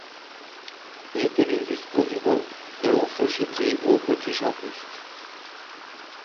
Il est élu vice-président de la Society of British Artists.